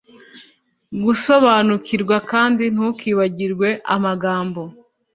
gusobanukirwa kandi ntukibagirwe amagambo